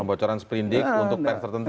pembocoran sepilindik untuk pes tertentu